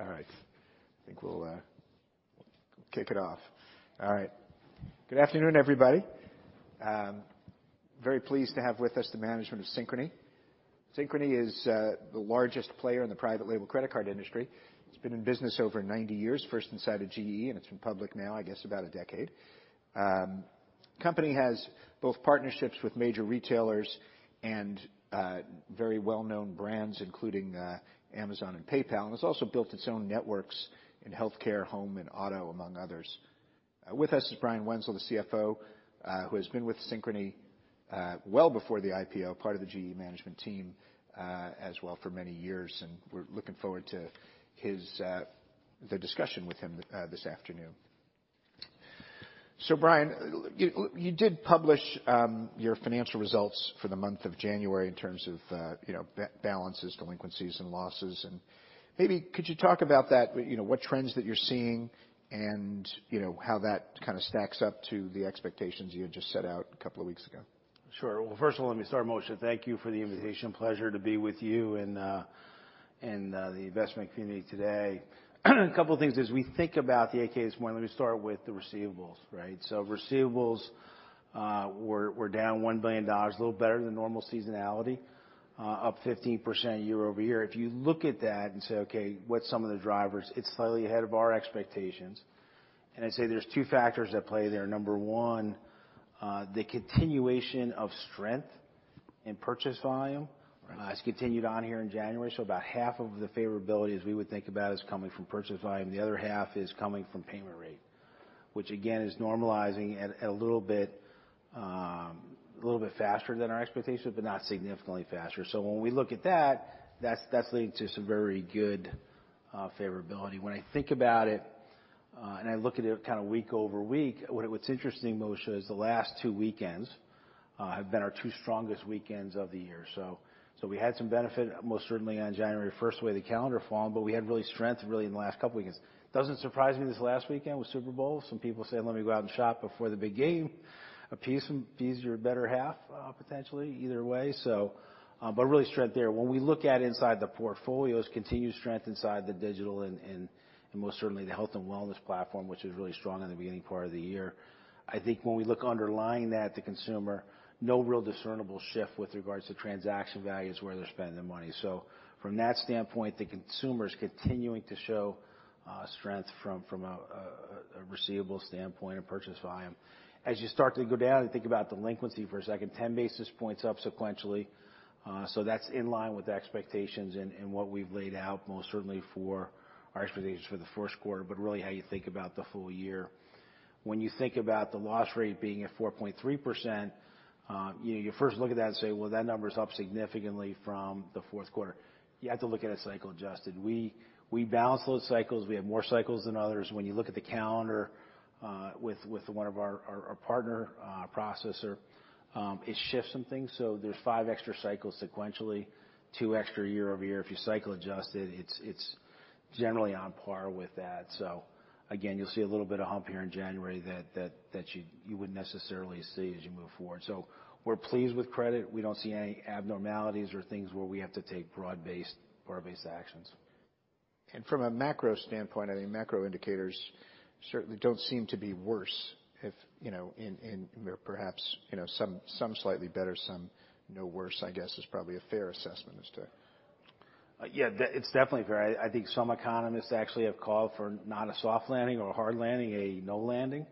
All right. I think we'll kick it off. All right. Good afternoon, everybody. Very pleased to have with us the management of Synchrony. Synchrony is the largest player in the private label credit card industry. It's been in business over 90 years, first inside of GE, and it's been public now, I guess, about 10 years. Company has both partnerships with major retailers and very well-known brands, including Amazon and PayPal, and has also built its own networks in healthcare, home, and auto, among others. With us is Brian Wenzel, the CFO, who has been with Synchrony well before the IPO, part of the GE management team as well for many years, and we're looking forward to his the discussion with him this afternoon. Brian, you did publish your financial results for the month of January in terms of, you know, balances, delinquencies, and losses. Maybe could you talk about that? You know, what trends that you're seeing and, you know, how that kinda stacks up to the expectations you had just set out a couple of weeks ago. Sure. Well, first of all, let me start, Moshe. Thank you for the invitation. Pleasure to be with you and the investment community today. A couple of things as we think about the 8-K this morning. Let me start with the receivables, right? Receivables were down $1 billion, a little better than normal seasonality, up 15% year-over-year. If you look at that and say, "Okay, what's some of the drivers?" It's slightly ahead of our expectations. I'd say there's two factors at play there. Number one, the continuation of strength in purchase volume. It's continued on here in January. About half of the favorability as we would think about is coming from purchase volume. The other half is coming from payment rate, which again is normalizing at a little bit faster than our expectations, but not significantly faster. When we look at that's leading to some very good favorability. When I think about it, and I look at it kind of week over week, what's interesting, Moshe, is the last 2 weekends have been our two strongest weekends of the year. We had some benefit most certainly on January first, the way the calendar fall, but we had really strength in the last couple weeks. Doesn't surprise me this last weekend with Super Bowl. Some people say, "Let me go out and shop before the big game." Appease them, appease your better half, potentially either way. Really strength there. When we look at inside the portfolios, continued strength inside the digital and most certainly the health and wellness platform, which is really strong in the beginning part of the year. I think when we look underlying that, the consumer, no real discernible shift with regards to transaction value is where they're spending their money. From that standpoint, the consumer's continuing to show, strength from a receivable standpoint and purchase volume. As you start to go down and think about delinquency for a second, 10 basis points up sequentially. That's in line with the expectations and what we've laid out most certainly for our expectations for the first quarter, but really how you think about the full year. When you think about the loss rate being at 4.3%, you know, you first look at that and say, "Well, that number's up significantly from the fourth quarter." You have to look at it cycle adjusted. We balance those cycles. We have more cycles than others. When you look at the calendar, with one of our partner processor, it shifts some things. There's five extra cycles sequentially, two extra year-over-year. If you cycle adjust it's generally on par with that. Again, you'll see a little bit of hump here in January that you wouldn't necessarily see as you move forward. We're pleased with credit. We don't see any abnormalities or things where we have to take broad-based actions. From a macro standpoint, I think macro indicators certainly don't seem to be worse if, you know, in perhaps, you know, some slightly better, some no worse, I guess, is probably a fair assessment as to. It's definitely fair. I think some economists actually have called for not a soft landing or a hard landing, a no landing.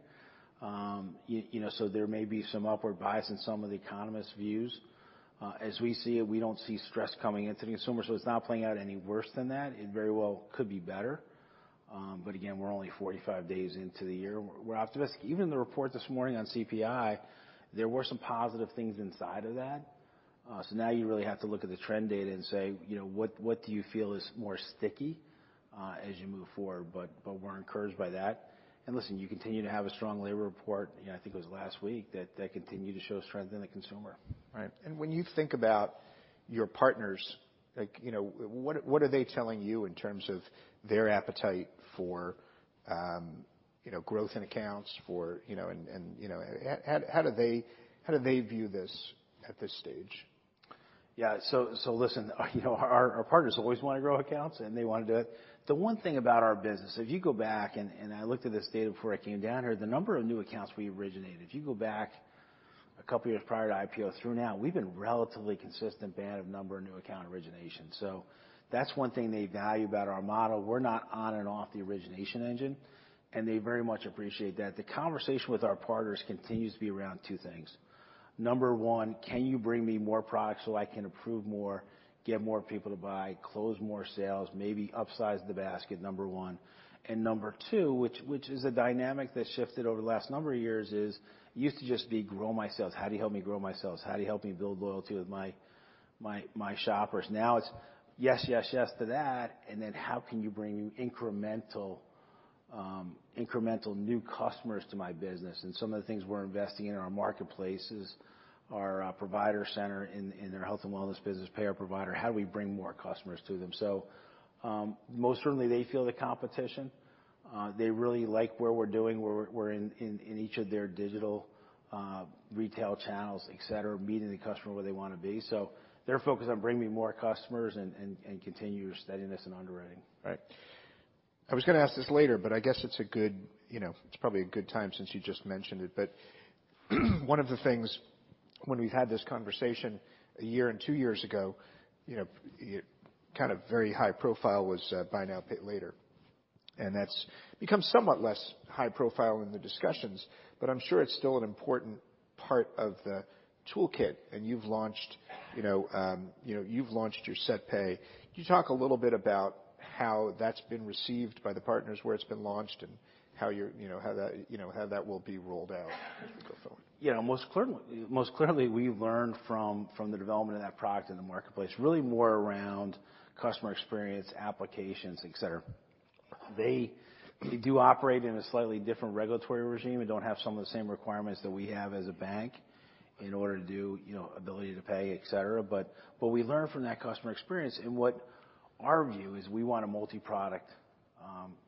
you know, there may be some upward bias in some of the economists' views. As we see it, we don't see stress coming into the consumer, so it's not playing out any worse than that. It very well could be better. Again, we're only 45 days into the year. We're optimistic. Even the report this morning on CPI, there were some positive things inside of that. Now you really have to look at the trend data and say, you know, what do you feel is more sticky, as you move forward? We're encouraged by that. Listen, you continue to have a strong labor report, you know, I think it was last week, that continued to show strength in the consumer. Right. When you think about your partners, like, you know, what are they telling you in terms of their appetite for, you know, growth in accounts for, you know, and, you know, how do they view this at this stage? Yeah. listen, you know, our partners always wanna grow accounts, and they wanna do it. The one thing about our business, if you go back, and I looked at this data before I came down here, the number of new accounts we originated. If you go back a couple years prior to IPO through now, we've been relatively consistent band of number of new account originations. That's one thing they value about our model. We're not on and off the origination engine, and they very much appreciate that. The conversation with our partners continues to be around two things. Number one, can you bring me more products so I can approve more, get more people to buy, close more sales, maybe upsize the basket, number one. Number two, which is a dynamic that shifted over the last number of years, is it used to just be grow my sales. How do you help me grow my sales? How do you help me build loyalty with my shoppers? Now it's yes, yes to that and then how can you bring me incremental new customers to my business? Some of the things we're investing in in our marketplace is our provider center in their health and wellness business, payer provider. How do we bring more customers to them? Most certainly they feel the competition. They really like where we're doing, where we're in each of their digital retail channels, et cetera, meeting the customer where they wanna be. They're focused on bringing more customers and continue steadiness and underwriting. Right. I was gonna ask this later, but I guess it's a good, you know, it's probably a good time since you just mentioned it. One of the things when we've had this conversation a year and 2 years ago, you know, kind of very high profile was buy now, pay later. That's become somewhat less high profile in the discussions, but I'm sure it's still an important part of the toolkit. You've launched, you know, you've launched your SetPay. Can you talk a little bit about how that's been received by the partners where it's been launched and how you're, you know, how that, you know, how that will be rolled out as we go forward? Yeah. Most clearly we learn from the development of that product in the marketplace, really more around customer experience, applications, et cetera. They do operate in a slightly different regulatory regime and don't have some of the same requirements that we have as a bank in order to do, you know, ability to pay, et cetera. We learn from that customer experience, and what our view is we want a multiproduct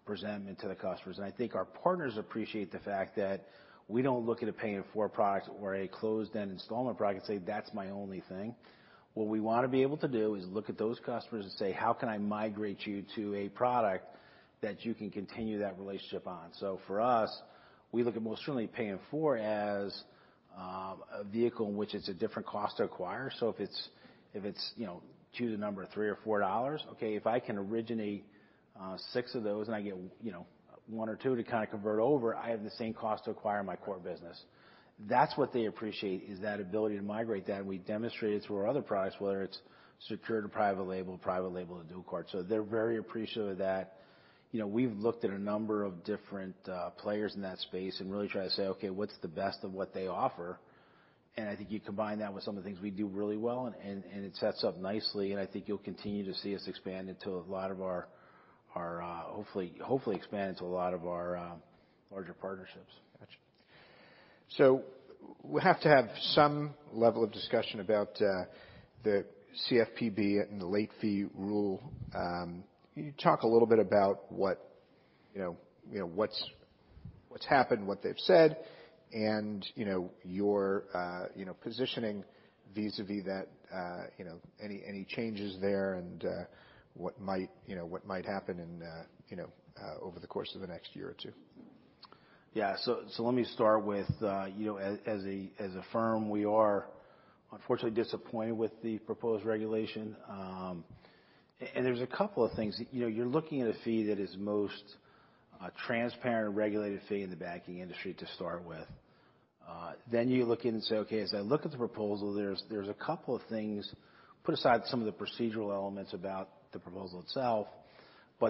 presented to the customers. I think our partners appreciate the fact that we don't look at a pay in four products or a closed-end installment product and say, "That's my only thing." What we wanna be able to do is look at those customers and say, "How can I migrate you to a product that you can continue that relationship on?" For us, we look at most certainly pay in four as a vehicle in which it's a different cost to acquire. If it's, you know, choose a number, $3 or $4, okay, if I can originate six of those and I get one, you know, one or two to kinda convert over, I have the same cost to acquire my core business. That's what they appreciate, is that ability to migrate that. We demonstrated through our other products, whether it's secured or private label or dual card. They're very appreciative of that. You know, we've looked at a number of different players in that space and really try to say, "Okay, what's the best of what they offer?" I think you combine that with some of the things we do really well, and it sets up nicely, and I think you'll continue to see us expand into a lot of our, hopefully expand into a lot of our larger partnerships. Gotcha. We have to have some level of discussion about the CFPB and the late fee rule. Can you talk a little bit about what, you know, what's happened, what they've said, and, you know, your, you know, positioning vis-à-vis that, you know, any changes there and what might, you know, what might happen in, you know, over the course of the next year or 2? Yeah. Let me start with, you know, as a firm, we are unfortunately disappointed with the proposed regulation. There's a couple of things. You know, you're looking at a fee that is most transparent regulated fee in the banking industry to start with. You look in and say, "Okay, as I look at the proposal, there's a couple of things." Put aside some of the procedural elements about the proposal itself,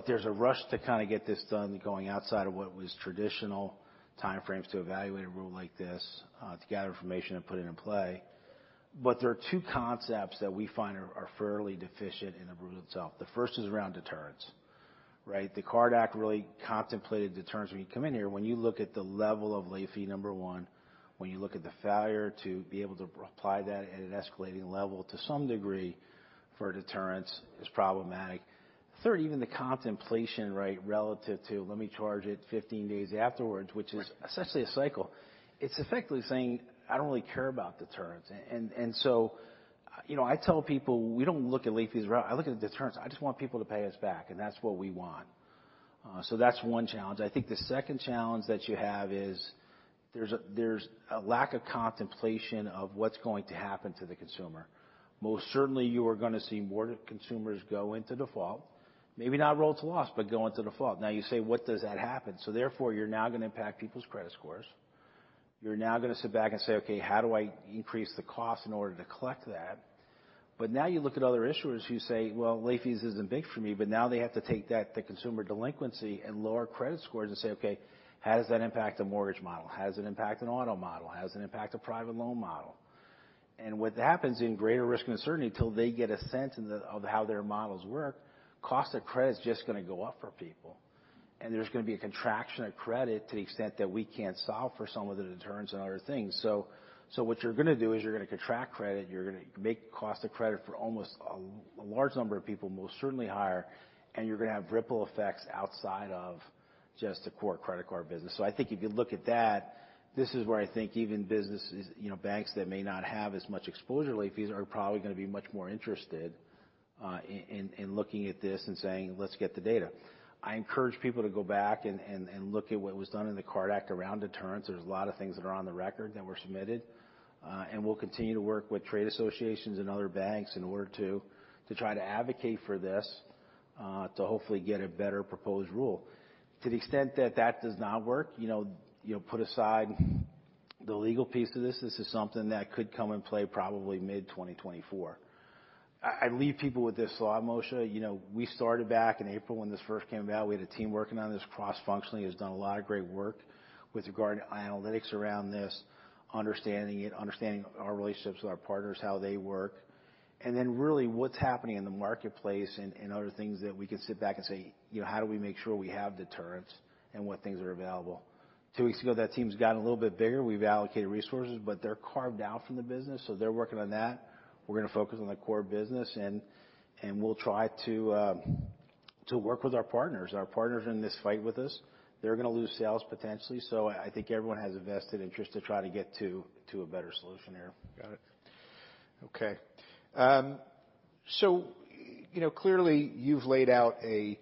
there's a rush to kind of get this done going outside of what was traditional time frames to evaluate a rule like this, to gather information and put it in play. There are two concepts that we find are fairly deficient in the rule itself. The first is around deterrence, right? The CARD Act really contemplated deterrence. When you come in here, when you look at the level of late fee, number one, when you look at the failure to be able to apply that at an escalating level to some degree for deterrence is problematic. Third, even the contemplation, right, relative to let me charge it 15 days afterwards, which is essentially a cycle. It's effectively saying, "I don't really care about deterrence." You know, I tell people, we don't look at late fees, right? I look at the deterrence. I just want people to pay us back, and that's what we want. That's one challenge. I think the second challenge that you have is there's a lack of contemplation of what's going to happen to the consumer. Most certainly you are gonna see more consumers go into default, maybe not roll to loss, but go into default. You say, what does that happen? Therefore, you're now gonna impact people's credit scores. You're now gonna sit back and say, "Okay, how do I increase the cost in order to collect that?" Now you look at other issuers who say, "Well, late fees isn't big for me," but now they have to take that, the consumer delinquency and lower credit scores and say, "Okay, how does that impact a mortgage model? How does it impact an auto model? How does it impact a private loan model?" What happens in greater risk and uncertainty until they get a sense of how their models work, cost of credit is just gonna go up for people. There's gonna be a contraction of credit to the extent that we can't solve for some of the deterrence and other things. What you're gonna do is you're gonna contract credit. You're gonna make cost of credit for almost a large number of people, most certainly higher. You're gonna have ripple effects outside of just the core credit card business. I think if you look at that, this is where I think even businesses, you know, banks that may not have as much exposure to late fees are probably gonna be much more interested in looking at this and saying, "Let's get the data." I encourage people to go back and look at what was done in the CARD Act around deterrence. There's a lot of things that are on the record that were submitted. We'll continue to work with trade associations and other banks in order to try to advocate for this to hopefully get a better proposed rule. To the extent that that does not work, you know, put aside the legal piece of this. This is something that could come in play probably mid-2024. I leave people with this thought, Moshe. You know, we started back in April when this first came about. We had a team working on this cross-functionally, who's done a lot of great work with regard to analytics around this, understanding it, understanding our relationships with our partners, how they work, and then really what's happening in the marketplace and other things that we can sit back and say, you know, how do we make sure we have deterrence and what things are available? 2 weeks ago, that team's gotten a little bit bigger. We've allocated resources, but they're carved out from the business, so they're working on that. We're gonna focus on the core business and we'll try to work with our partners. Our partners are in this fight with us. They're gonna lose sales potentially. I think everyone has a vested interest to try to get to a better solution here. Got it. Okay. You know, clearly you've laid out a,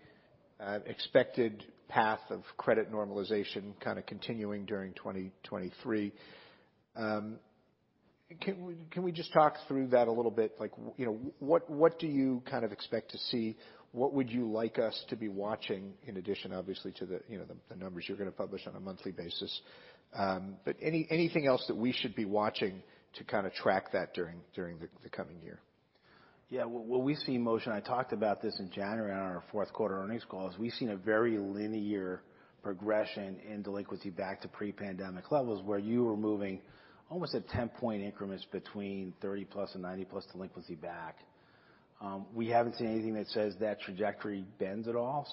an expected path of credit normalization kinda continuing during 2023. Can we just talk through that a little bit? Like, you know, what do you kind of expect to see? What would you like us to be watching in addition, obviously, to the, you know, the numbers you're gonna publish on a monthly basis. But anything else that we should be watching to kinda track that during the coming year? Yeah. What we see, Moshe, and I talked about this in January on our fourth quarter earnings calls, we've seen a very linear progression in delinquency back to pre-pandemic levels, where you were moving almost at 10-point increments between 30+ and 90+ delinquency back. We haven't seen anything that says that trajectory bends at all.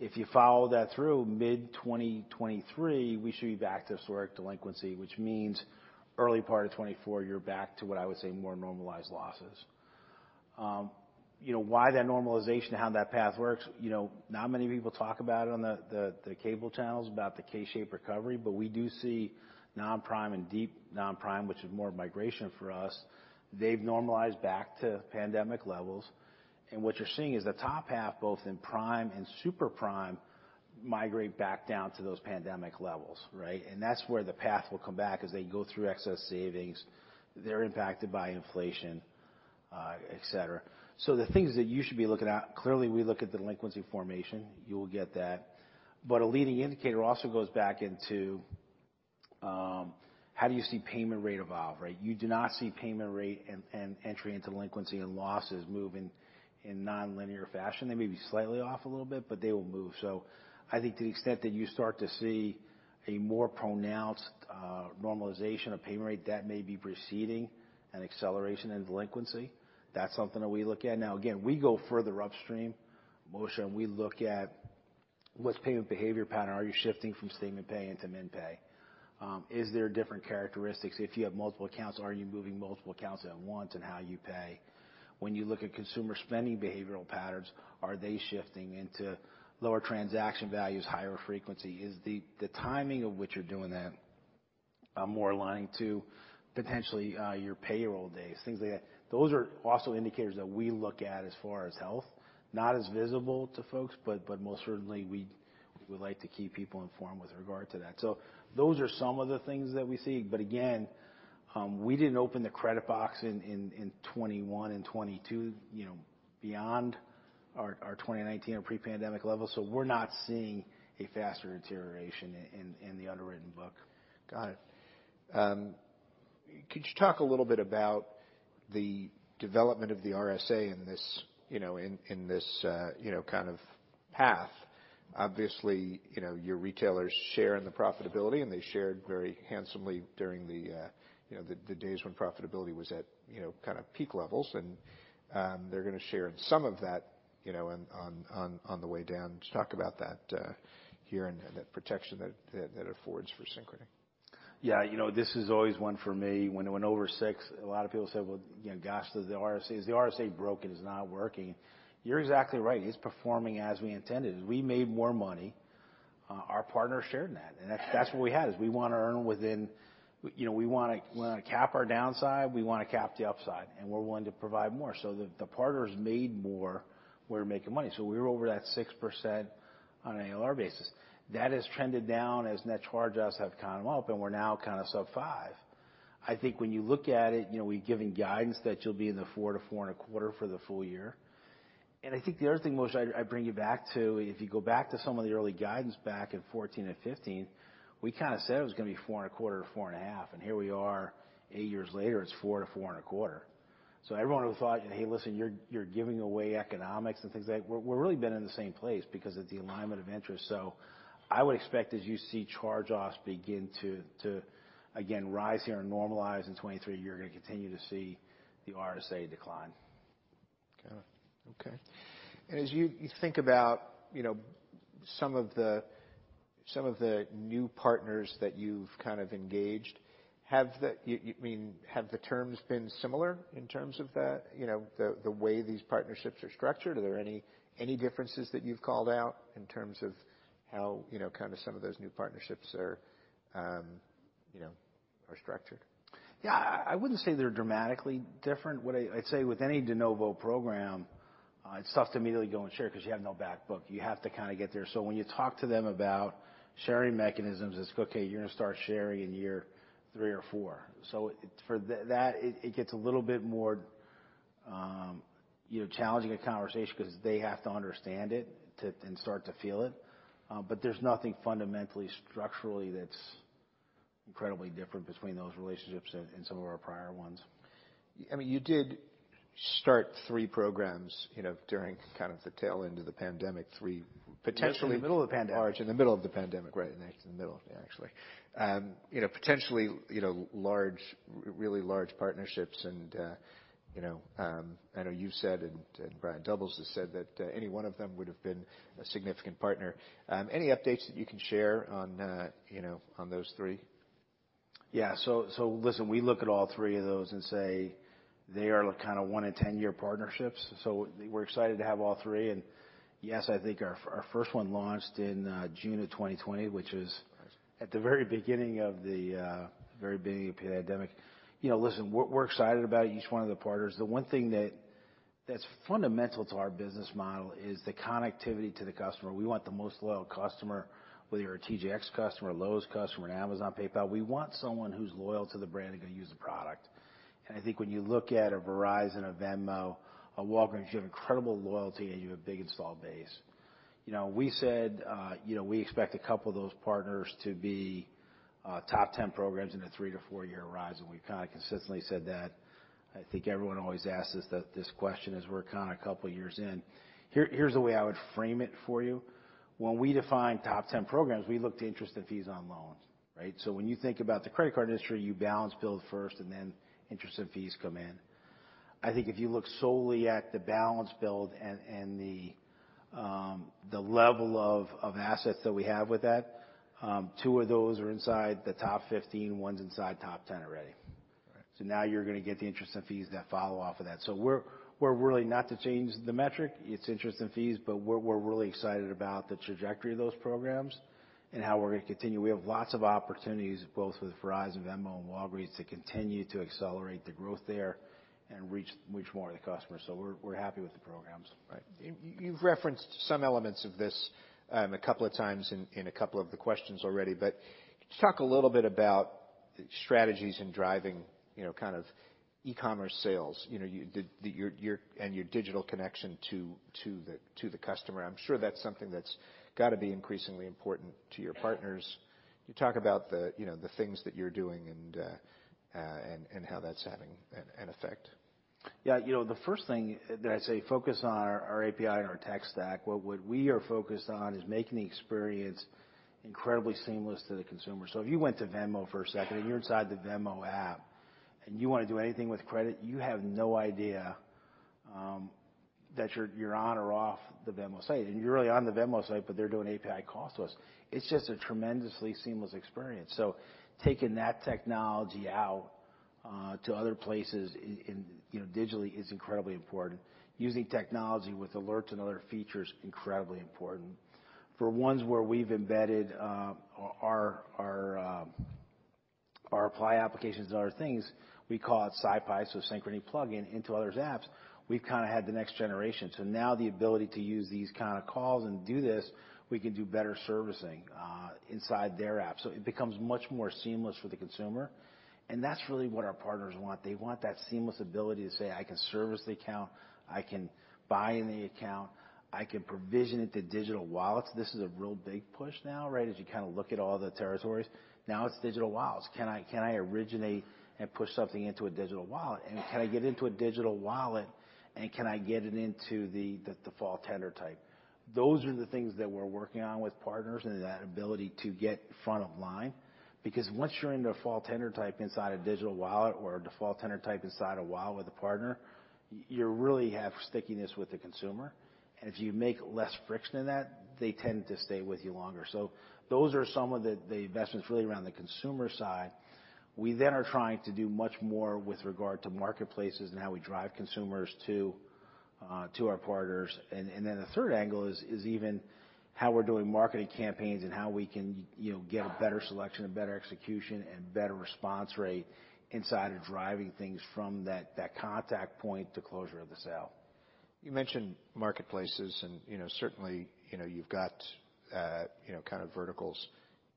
If you follow that through mid-2023, we should be back to historic delinquency, which means early part of 2024, you're back to what I would say more normalized losses. You know, why that normalization, how that path works, you know, not many people talk about it on the, the cable channels about the K-shaped recovery, we do see non-prime and deep non-prime, which is more migration for us. They've normalized back to pandemic levels. What you're seeing is the top half, both in prime and super prime, migrate back down to those pandemic levels, right? That's where the path will come back as they go through excess savings. They're impacted by inflation, et cetera. The things that you should be looking at, clearly, we look at delinquency formation. You'll get that. A leading indicator also goes back into, how do you see payment rate evolve, right? You do not see payment rate and entry into delinquency and losses moving in nonlinear fashion. They may be slightly off a little bit, but they will move. I think to the extent that you start to see a more pronounced normalization of payment rate, that may be preceding an acceleration in delinquency. That's something that we look at. Again, we go further upstream, Moshe, and we look at what's payment behavior pattern. Are you shifting from statement pay into MIN pay? Is there different characteristics? If you have multiple accounts, are you moving multiple accounts at once in how you pay? When you look at consumer spending behavioral patterns, are they shifting into lower transaction values, higher frequency? Is the timing of which you're doing that more aligned to potentially your payroll days, things like that. Those are also indicators that we look at as far as health. Not as visible to folks, but most certainly we would like to keep people informed with regard to that. Those are some of the things that we see. Again, we didn't open the credit box in 2021 and 2022, you know, beyond our 2019 or pre-pandemic levels. We're not seeing a faster deterioration in the underwritten book. Got it. Could you talk a little bit about the development of the RSA in this, you know, in this, you know, kind of path? Obviously, you know, your retailers share in the profitability, and they shared very handsomely during the, you know, the days when profitability was at, you know, kinda peak levels. They're gonna share in some of that, you know, on the way down. Just talk about that here and the protection that affords for Synchrony. Yeah. You know, this is always one for me. When it went over 6%, a lot of people said, "Well, you know, gosh, the RSA, is the RSA broken? It's not working." You're exactly right. It's performing as we intended. We made more money. Our partners shared in that. That's what we had, is we wanna earn within. You know, we wanna cap our downside, we wanna cap the upside, and we're willing to provide more. The partners made more, we're making money. We're over that 6% on an ALR basis. That has trended down as net charge-offs have gone up, and we're now kinda sub 5%. I think when you look at it, you know, we've given guidance that you'll be in the 4%-4.25% for the full year. I think the other thing, Moshe, I bring you back to, if you go back to some of the early guidance back in 2014 and 2015, we kinda said it was gonna be four and a quarter to four and a half. Here we are, eight years later, it's four to four and a quarter. Everyone thought, "Hey, listen, you're giving away economics and things like that." We're really been in the same place because of the alignment of interest. I would expect as you see charge-offs begin to again rise here and normalize in 2023, you're gonna continue to see the RSA decline. Got it. Okay. As you think about, you know, some of the new partners that you've kind of engaged, have the terms been similar in terms of the, you know, the way these partnerships are structured? Are there any differences that you've called out in terms of how, you know, kinda some of those new partnerships are, you know, are structured? Yeah. I wouldn't say they're dramatically different. What I'd say with any de novo program, it's tough to immediately go and share 'cause you have no back book. You have to kinda get there. When you talk to them about sharing mechanisms, it's okay, you're gonna start sharing in year 3 or 4. For that, it gets a little bit more, you know, challenging a conversation 'cause they have to understand it to and start to feel it. There's nothing fundamentally structurally that's incredibly different between those relationships and some of our prior ones. I mean, you did start three programs, you know, during kind of the tail end of the pandemic, three. Middle of the pandemic. In the middle of the pandemic. Right in the middle, actually. You know, potentially, you know, large, really large partnerships and, you know, I know you said, and Brian Doubles has said that any one of them would've been a significant partner. Any updates that you can share on, you know, on those three? Yeah. Listen, we look at all three of those and say they are kind of one in 10-year partnerships. I think our first one launched in June 2020, which is at the very beginning of the very beginning of the pandemic. You know, we're excited about each one of the partners. The one thing that's fundamental to our business model is the connectivity to the customer. We want the most loyal customer, whether you're a TJX customer, a Lowe's customer, an Amazon, PayPal. We want someone who's loyal to the brand and gonna use the product. I think when you look at a Verizon, a Venmo, a Walgreens, you have incredible loyalty, and you have a big install base. You know, we said, you know, we expect a couple of those partners to be top 10 programs in a 3 to 4-year horizon. We've kinda consistently said that. I think everyone always asks us that this question as we're kinda a couple years in. Here's the way I would frame it for you. When we define top 10 programs, we look to interest and fees on loans, right? When you think about the credit card industry, you balance build first and then interest and fees come in. I think if you look solely at the balance build and the level of assets that we have with that, two of those are inside the top 15, one's inside top 10 already. All right. Now you're gonna get the interest and fees that follow off of that. We're really not to change the metric. It's interest and fees. We're really excited about the trajectory of those programs and how we're gonna continue. We have lots of opportunities, both with Verizon, Venmo and Walgreens, to continue to accelerate the growth there and reach more of the customers. We're happy with the programs. Right. You, you've referenced some elements of this, a couple of times in a couple of the questions already, but could you talk a little bit about strategies in driving, you know, kind of e-commerce sales? You know, your digital connection to the customer. I'm sure that's something that's gotta be increasingly important to your partners. Can you talk about the, you know, the things that you're doing and how that's having an effect? Yeah. You know, the first thing that I'd say, focus on our API and our tech stack. What we are focused on is making the experience incredibly seamless to the consumer. If you went to Venmo for a second, and you're inside the Venmo app, and you wanna do anything with credit, you have no idea that you're on or off the Venmo site. You're really on the Venmo site, but they're doing API calls to us. It's just a tremendously seamless experience. Taking that technology out to other places in, you know, digitally is incredibly important. Using technology with alerts and other features, incredibly important. For ones where we've embedded our apply applications and other things, we call it SyPI, Synchrony plugin into others' apps. We've kinda had the next generation. Now the ability to use these kind of calls and do this, we can do better servicing, inside their app. It becomes much more seamless for the consumer. That's really what our partners want. They want that seamless ability to say, "I can service the account. I can buy in the account. I can provision it to digital wallets." This is a real big push now, right? As you kind of look at all the territories. Now it's digital wallets. Can I originate and push something into a digital wallet? Can I get into a digital wallet? Can I get it into the default tender type? Those are the things that we're working on with partners and that ability to get front of line. Because once you're in the default tender type inside a digital wallet or a default tender type inside a wallet with a partner, you really have stickiness with the consumer. As you make less friction in that, they tend to stay with you longer. Those are some of the investments really around the consumer side. We then are trying to do much more with regard to marketplaces and how we drive consumers to our partners. Then the third angle is even how we're doing marketing campaigns and how we can, you know, get a better selection, a better execution, and better response rate inside of driving things from that contact point to closure of the sale. You mentioned marketplaces and, you know, certainly, you know, you've got, you know, kind of verticals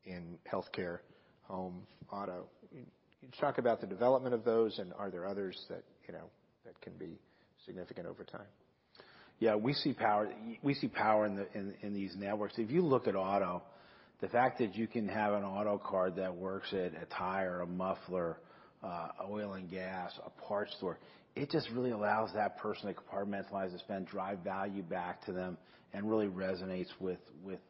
in healthcare, home, auto. Can you talk about the development of those, and are there others that, you know, that can be significant over time? Yeah, we see power in these networks. If you look at auto, the fact that you can have an auto card that works at a tire, a muffler, oil and gas, a parts store, it just really allows that person to compartmentalize, to spend, drive value back to them and really resonates with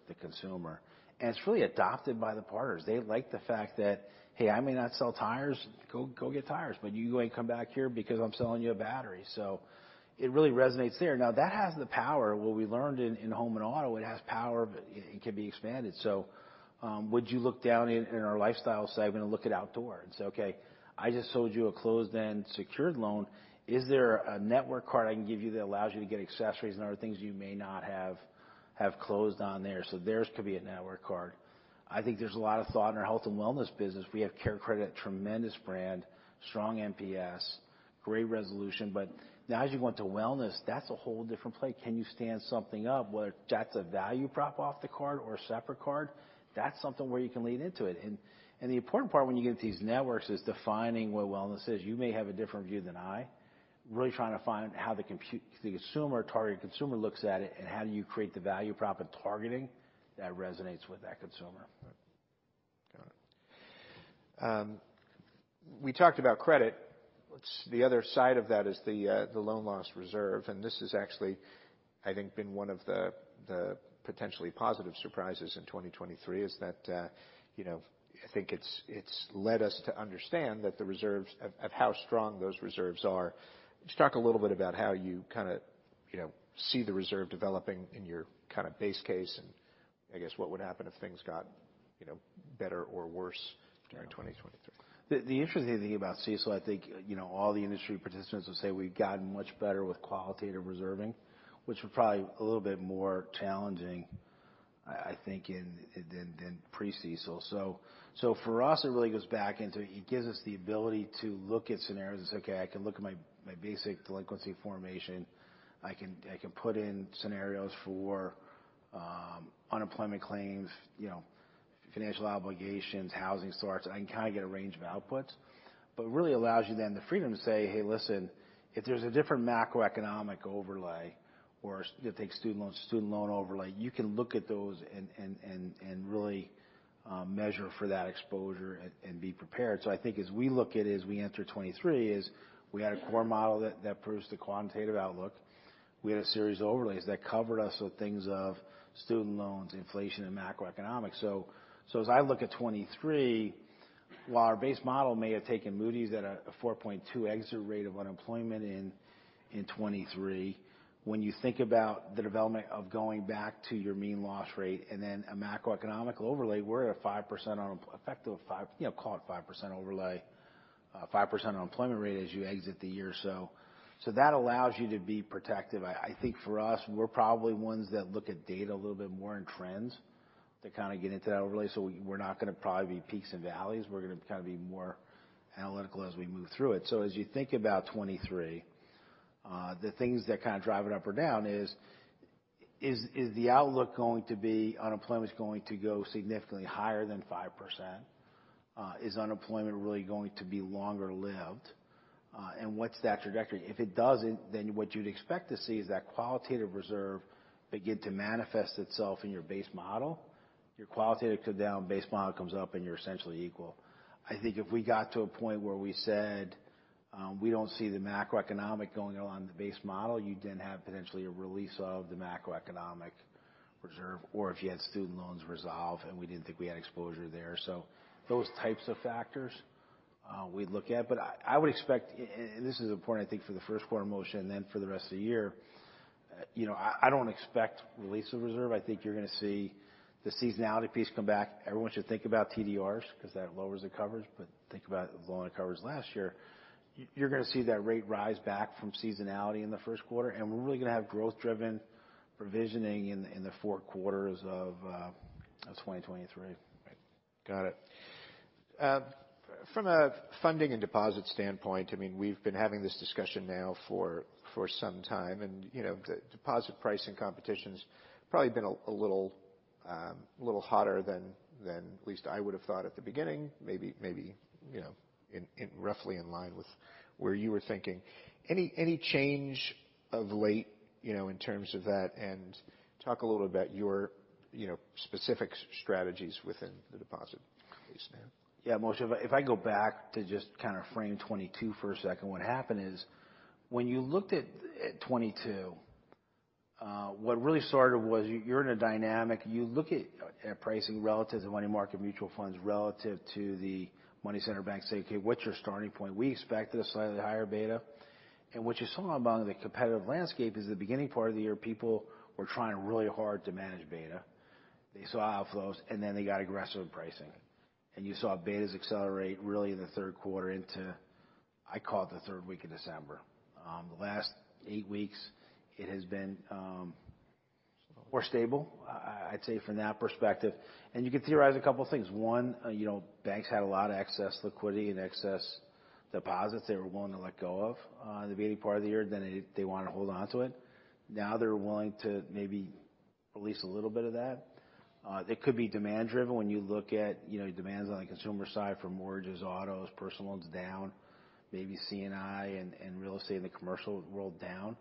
the consumer. It's really adopted by the partners. They like the fact that, "Hey, I may not sell tires. Go get tires, but you ain't come back here because I'm selling you a battery." It really resonates there. Now, that has the power. What we learned in home and auto, it has power, but it can be expanded. Would you look down in our lifestyle segment and look at outdoors? Okay. I just sold you a closed-end secured loan. Is there a network card I can give you that allows you to get accessories and other things you may not have closed on there? Theirs could be a network card. I think there's a lot of thought in our health and wellness business. We have CareCredit, a tremendous brand, strong NPS, great resolution. Now as you went to wellness, that's a whole different play. Can you stand something up where that's a value prop off the card or a separate card? That's something where you can lean into it. The important part when you get into these networks is defining what wellness is. You may have a different view than I. Really trying to find how the consumer, target consumer looks at it and how do you create the value prop and targeting that resonates with that consumer. Got it. We talked about credit. What's the other side of that is the loan loss reserve. This is actually, I think, been one of the potentially positive surprises in 2023 is that, you know, I think it's led us to understand that the reserves of how strong those reserves are. Just talk a little bit about how you kinda, you know, see the reserve developing in your kind of base case. I guess what would happen if things got, you know, better or worse during 2023? The interesting thing about CECL, I think, you know, all the industry participants will say we've gotten much better with qualitative reserving, which was probably a little bit more challenging, I think than pre-CECL. For us, it really goes back into it gives us the ability to look at scenarios and say, "Okay, I can look at my basic delinquency formation. I can put in scenarios for unemployment claims, you know, financial obligations, housing starts. I can kind of get a range of outputs." It really allows you then the freedom to say, "Hey, listen, if there's a different macroeconomic overlay or you take student loans, student loan overlay, you can look at those and really measure for that exposure and be prepared. I think as we look at as we enter 2023 is we had a core model that proves the quantitative outlook. We had a series of overlays that covered us with things of student loans, inflation, and macroeconomics. As I look at 2023, while our base model may have taken Moody's at a 4.2 exit rate of unemployment in 2023. When you think about the development of going back to your mean loss rate and then a macroeconomic overlay, we're at a 5% on effect of a, you know, call it 5% overlay, 5% unemployment rate as you exit the year so. That allows you to be protective. I think for us, we're probably ones that look at data a little bit more in trends to kind of get into that overlay. We're not gonna probably be peaks and valleys. We're gonna kind of be more analytical as we move through it. As you think about 2023, the things that kind of drive it up or down is unemployment is going to go significantly higher than 5%? Is unemployment really going to be longer lived? What's that trajectory? If it doesn't, what you'd expect to see is that qualitative reserve begin to manifest itself in your base model. Your qualitative come down, base model comes up, and you're essentially equal. I think if we got to a point where we said, we don't see the macroeconomic going on the base model, you then have potentially a release of the macroeconomic reserve, or if you had student loans resolved, and we didn't think we had exposure there. Those types of factors, we'd look at. I would expect and this is important, I think, for the first quarter, Moshe, and then for the rest of the year. You know, I don't expect release of reserve. I think you're gonna see the seasonality piece come back. Everyone should think about TDRs because that lowers the coverage, but think about the loan coverage last year. You're gonna see that rate rise back from seasonality in the first quarter, and we're really gonna have growth-driven provisioning in the 4 quarters of 2023. Right. Got it. From a funding and deposit standpoint, I mean, we've been having this discussion now for some time. You know, the deposit pricing competition's probably been a little hotter than at least I would have thought at the beginning, maybe, you know, roughly in line with where you were thinking. Any change of late, you know, in terms of that? Talk a little about your, you know, specific strategies within the deposit piece now. Yeah. Moshe, if I go back to just kind of frame 2022 for a second, what happened is when you looked at 2022, what really started was you're in a dynamic. You look at pricing relative to money market mutual funds relative to the money center banks say, "Okay, what's your starting point?" We expected a slightly higher beta. What you saw among the competitive landscape is the beginning part of the year, people were trying really hard to manage beta. They saw outflows, they got aggressive in pricing. You saw betas accelerate really in the third quarter into, I call it the third week of December. The last 8 weeks it has been more stable, I'd say from that perspective. You can theorize a couple things. One, you know, banks had a lot of excess liquidity and excess deposits they were willing to let go of, in the beginning part of the year than they want to hold onto it. Now they're willing to maybe release a little bit of that. They could be demand-driven when you look at, you know, demands on the consumer side for mortgages, autos, personal loans down, maybe C&I and real estate in the commercial world down.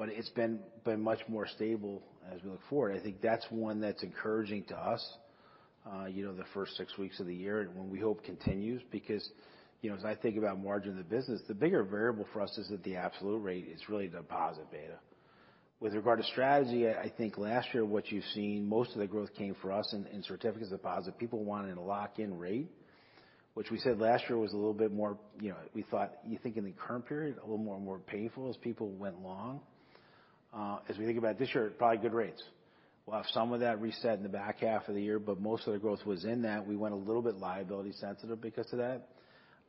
It's been much more stable as we look forward. I think that's one that's encouraging to us, you know, the first 6 weeks of the year and one we hope continues because, you know, as I think about margin of the business, the bigger variable for us is that the absolute rate is really the deposit beta. With regard to strategy, I think last year what you've seen most of the growth came for us in certificates of deposit. People wanted a lock-in rate, which we said last year was a little bit more, you know, you think in the current period a little more and more painful as people went long. As we think about this year, probably good rates. We'll have some of that reset in the back half of the year, but most of the growth was in that. We went a little bit liability sensitive because of that.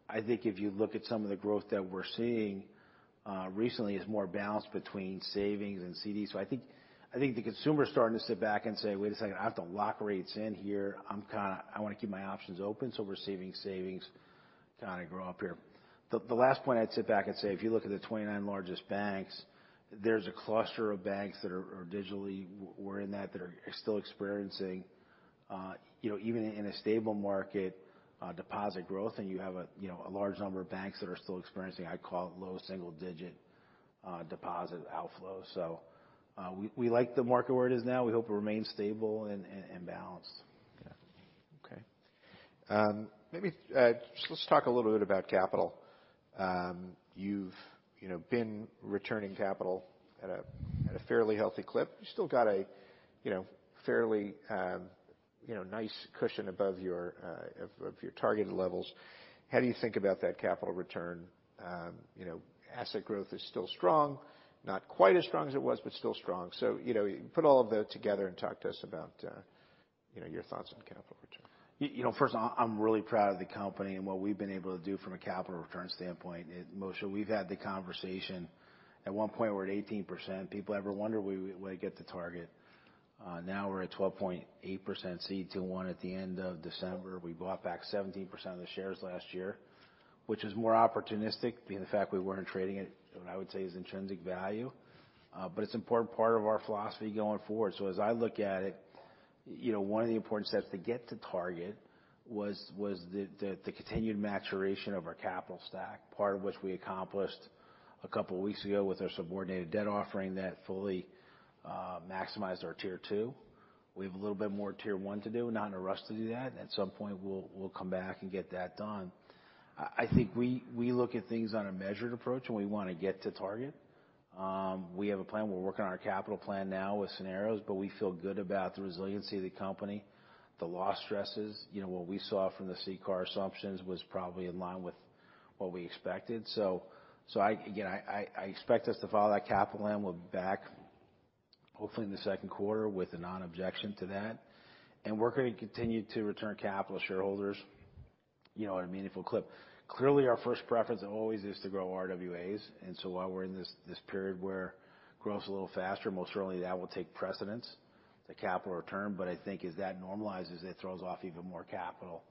I think if you look at some of the growth that we're seeing, recently is more balanced between savings and CDs. I think the consumer is starting to sit back and say, "Wait a second, I have to lock rates in here. I'm kind of I want to keep my options open." We're seeing savings kind of grow up here. The last point I'd sit back and say, if you look at the 29 largest banks, there's a cluster of banks that are digitally, we're in that are still experiencing, you know, even in a stable market, deposit growth. You have a, you know, a large number of banks that are still experiencing, I'd call it low single digit deposit outflow. We like the market where it is now. We hope it remains stable and balanced. Okay. Maybe, just let's talk a little bit about capital. You've, you know, been returning capital at a fairly healthy clip. You still got a, you know, fairly, you know, nice cushion above your of your targeted levels. How do you think about that capital return? You know, asset growth is still strong. Not quite as strong as it was, but still strong. Put all of that together and talk to us about, you know, your thoughts on capital return. You know, first off, I'm really proud of the company and what we've been able to do from a capital return standpoint. Moshe, we've had the conversation at one point we're at 18%. People ever wonder we get to target. Now we're at 12.8% CET1 at the end of December. We bought back 17% of the shares last year, which is more opportunistic being the fact we weren't trading at what I would say is intrinsic value. It's important part of our philosophy going forward. As I look at it, you know, one of the important steps to get to target was the continued maturation of our capital stack, part of which we accomplished a couple weeks ago with our subordinated debt offering that fully maximized our Tier 2. We have a little bit more Tier 1 to do. Not in a rush to do that. At some point we'll come back and get that done. I think we look at things on a measured approach, and we wanna get to target. We have a plan. We're working on our capital plan now with scenarios, but we feel good about the resiliency of the company. The loss stresses, you know, what we saw from the CCAR assumptions was probably in line with what we expected. I again, I expect us to follow that capital plan. We'll be back hopefully in the second quarter with a non-objection to that. We're gonna continue to return capital to shareholders, you know, at a meaningful clip. Clearly, our first preference always is to grow RWAs. While we're in this period where growth's a little faster, most certainly that will take precedence to capital return. I think as that normalizes, it throws off even more capital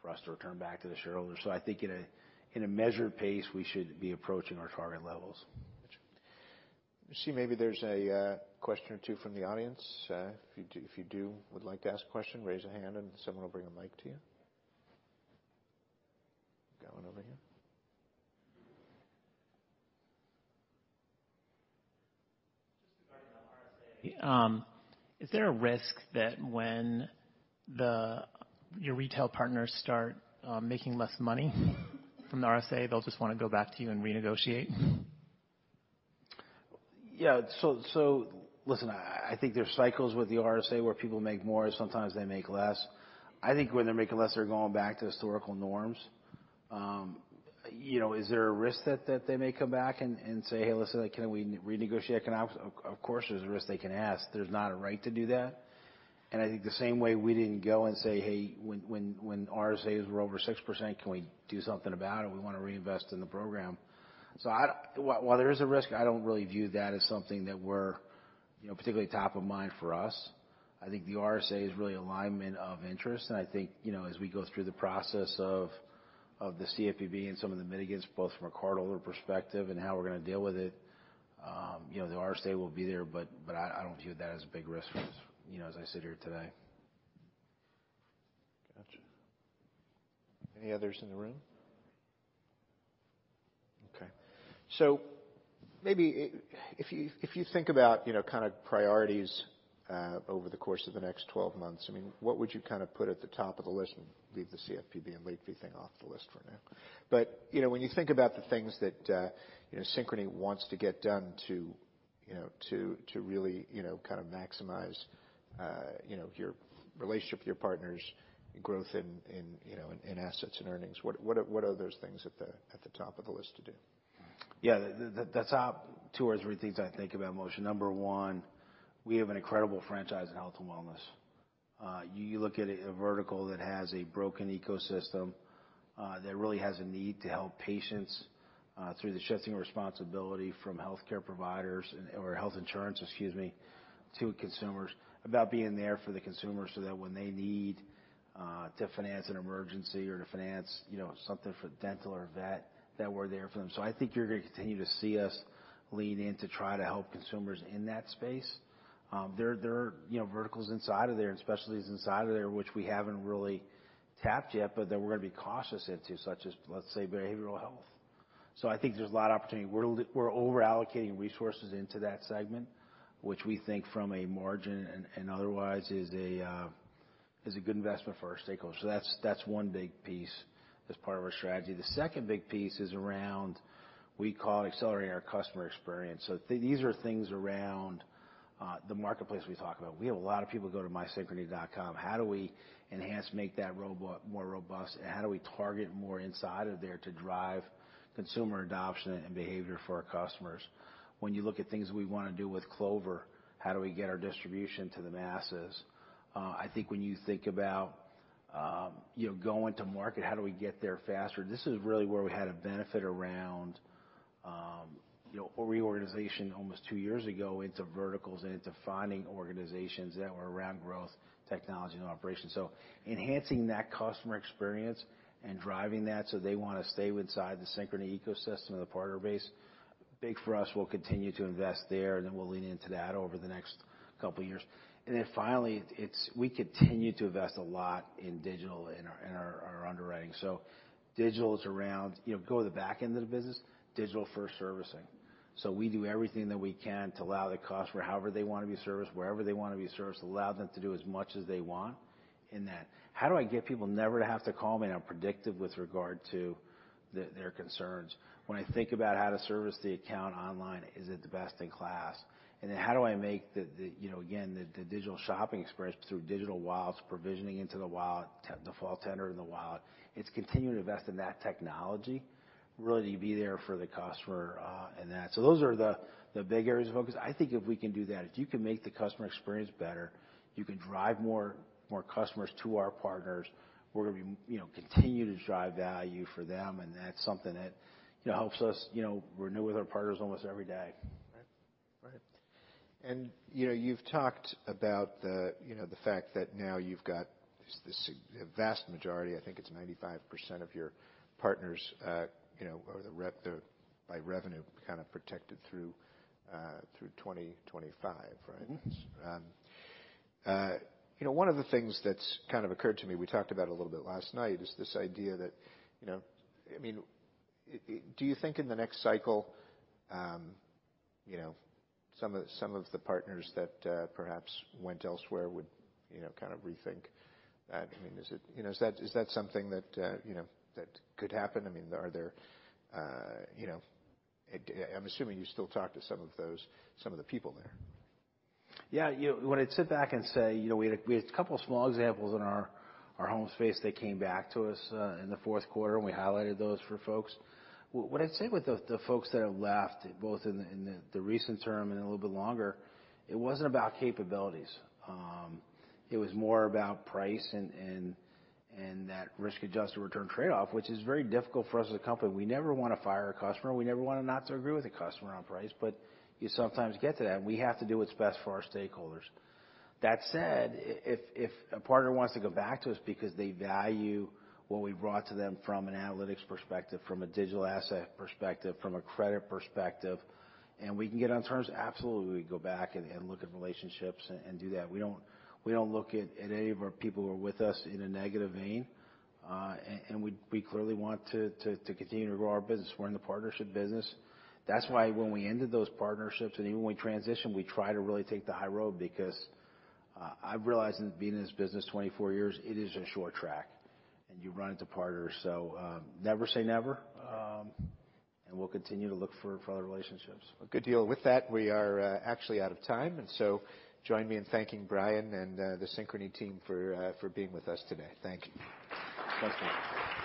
for us to return back to the shareholders. I think in a, in a measured pace, we should be approaching our target levels. Let's see. Maybe there's a question or two from the audience. If you would like to ask a question, raise a hand and someone will bring a mic to you. Got one over here. Is there a risk that when your retail partners start making less money from the RSA, they'll just wanna go back to you and renegotiate? Yeah. Listen, I think there's cycles with the RSA where people make more, sometimes they make less. I think when they're making less, they're going back to historical norms. You know, is there a risk that they may come back and say, "Hey, listen. Can we renegotiate economics?" Of course, there's a risk they can ask. There's not a right to do that. I think the same way we didn't go and say, "Hey, when RSAs were over 6%, can we do something about it? We wanna reinvest in the program." While there is a risk, I don't really view that as something that we're, you know, particularly top of mind for us. I think the RSA is really alignment of interest. I think, you know, as we go through the process of the CFPB and some of the mitigants, both from a cardholder perspective and how we're gonna deal with it, you know, the RSA will be there. I don't view that as a big risk for us, you know, as I sit here today. Gotcha. Any others in the room? Okay. Maybe if you, if you think about, you know, kind of priorities, over the course of the next 12 months, I mean, what would you kind of put at the top of the list and leave the CFPB and leave the thing off the list for now? You know, when you think about the things that, you know, Synchrony wants to get done to really, you know, kind of maximize, you know, your relationship with your partners, growth in, you know, in assets and earnings, what are those things at the top of the list to do? Yeah. The top two or three things I think about, Moshe, number one, we have an incredible franchise in health and wellness. You look at a vertical that has a broken ecosystem, that really has a need to help patients, through the shifting responsibility from healthcare providers and, or health insurance, excuse me, to consumers about being there for the consumer so that when they need to finance an emergency or to finance, you know, something for dental or vet, that we're there for them. I think you're gonna continue to see us lean in to try to help consumers in that space. There are, you know, verticals inside of there and specialties inside of there which we haven't really tapped yet, but that we're gonna be cautious into, such as, let's say, behavioral health. I think there's a lot of opportunity. We're over-allocating resources into that segment, which we think from a margin and otherwise is a good investment for our stakeholders. That's one big piece as part of our strategy. The second big piece is around, we call it accelerating our customer experience. These are things around the marketplace we talk about. We have a lot of people go to mysynchrony.com. How do we enhance, make that rollout more robust, and how do we target more inside of there to drive consumer adoption and behavior for our customers? When you look at things we wanna do with Clover, how do we get our distribution to the masses? I think when you think about, you know, going to market, how do we get there faster? This is really where we had a benefit around, you know, a reorganization almost two years ago into verticals and into finding organizations that were around growth, technology, and operations. Enhancing that customer experience and driving that so they wanna stay inside the Synchrony ecosystem and the partner base, big for us. We'll continue to invest there. We'll lean into that over the next couple years. Finally, we continue to invest a lot in digital in our underwriting. Digital is around, you know, go to the back end of the business, digital first servicing. We do everything that we can to allow the customer however they want to be serviced, wherever they want to be serviced, allow them to do as much as they want in that. How do I get people never to have to call me and I'm predictive with regard to their concerns? When I think about how to service the account online, is it the best in class? How do I make the, you know, again, the digital shopping experience through digital wallets, provisioning into the wallet, default tender in the wallet. It's continuing to invest in that technology really to be there for the customer, and that. Those are the big areas of focus. I think if we can do that, if you can make the customer experience better, you can drive more customers to our partners. We're gonna be, you know, continue to drive value for them, and that's something that, you know, helps us, you know, renew with our partners almost every day. Right. Right. You know, you've talked about the, you know, the fact that now you've got this vast majority, I think it's 95% of your partners, you know, or the rep there by revenue kind of protected through 2025, right? You know, one of the things that's kind of occurred to me, we talked about a little bit last night, is this idea that, you know, I mean, do you think in the next cycle, you know, some of the partners that perhaps went elsewhere would, you know, kind of rethink that? I mean, is it? You know, is that something that, you know, that could happen? I mean, are there, you know? I'm assuming you still talk to some of those, some of the people there. Yeah. When I sit back and say, you know, we had a, we had a couple small examples in our home space that came back to us in the fourth quarter, and we highlighted those for folks. What I'd say with the folks that have left, both in the, in the recent term and a little bit longer, it wasn't about capabilities. It was more about price and, and that risk-adjusted return trade-off, which is very difficult for us as a company. We never wanna fire a customer. We never wanna not to agree with a customer on price, but you sometimes get to that, and we have to do what's best for our stakeholders. That said, if a partner wants to go back to us because they value what we've brought to them from an analytics perspective, from a digital asset perspective, from a credit perspective, and we can get on terms, absolutely, we go back and look at relationships and do that. We don't, we don't look at any of our people who are with us in a negative vein. We clearly want to continue to grow our business. We're in the partnership business. That's why when we ended those partnerships and even when we transitioned, we try to really take the high road because I've realized in being in this business 24 years, it is a short track, and you run into partners. Never say never, and we'll continue to look for further relationships. A good deal. With that, we are actually out of time. Join me in thanking Brian and the Synchrony team for being with us today. Thank you. Thank you.